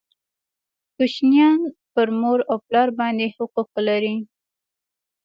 کوچنیان پر مور او پلار باندي حقوق لري